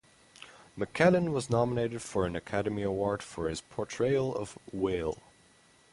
McKellen was nominated for an Academy Award for his portrayal of Whale.